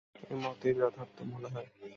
এ মতই যথার্থ মনে হয়।